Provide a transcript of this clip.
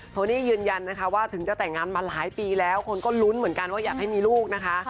โทนี่ยืนยันนะคะว่าถึงจะแต่งงานมาหลายปีแล้วคนก็ลุ้นเหมือนกันว่าอยากให้มีลูกนะคะ